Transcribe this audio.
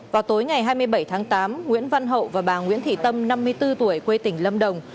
vào tối ngày hai mươi bảy tháng tám nguyễn văn hậu và bà nguyễn thị tâm năm mươi bốn tuổi quê tỉnh lâm đồng